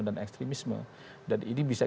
dan ekstremisme dan ini bisa kita kira kira melihat itu